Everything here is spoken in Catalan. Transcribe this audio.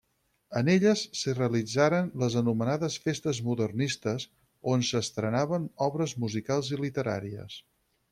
En elles si realitzaran les anomenades Festes Modernistes, on s'estrenaven obres musicals i literàries.